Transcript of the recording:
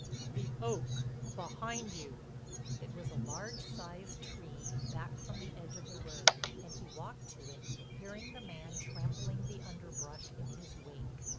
"The oak—behind you." It was a large sized tree back from the edge of the road, and he walked to it hearing the man trampling the underbrush in his wake.